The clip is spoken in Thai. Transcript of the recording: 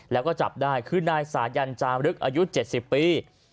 แล้วก็จับได้คือนายสายันจามลึกอายุ๗๐ปี